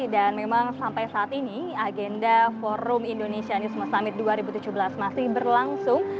dan memang sampai saat ini agenda forum indonesianisme summit dua ribu tujuh belas masih berlangsung